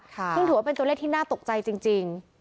ซึ่งถือว่าเป็นตัวเลขที่น่าตกใจจริง